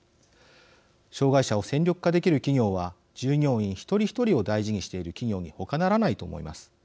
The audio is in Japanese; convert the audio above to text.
障害者を戦力化できる企業は従業員一人一人を大事にしている企業にほかならないと思います。